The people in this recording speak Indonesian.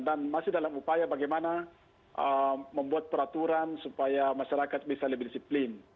dan masih dalam upaya bagaimana ee membuat peraturan supaya masyarakat bisa lebih disiplin